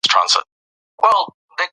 ماشومان په انلاین لوبو کې پوهه ترلاسه کوي.